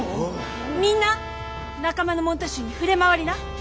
みんな仲間の門徒衆に触れ回りな！